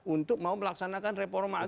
untuk mau melaksanakan reforma agraria